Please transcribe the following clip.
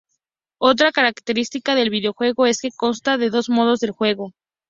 Otra característica del videojuego es que consta de dos modos de juego.